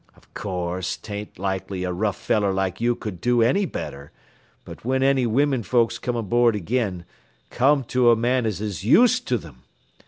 "'O' course, 'tain't likely a rough feller like you could do any better, but whin any wimmen folks come aboard agin, come to a man as is used to thim.